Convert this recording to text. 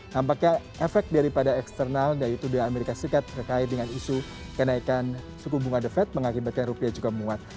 nampaknya efek daripada eksternal yaitu di amerika serikat terkait dengan isu kenaikan suku bunga the fed mengakibatkan rupiah juga menguat